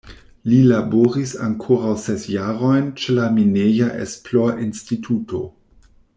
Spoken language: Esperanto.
Li laboris ankoraŭ ses jarojn ĉe la Mineja Esplorinstituto.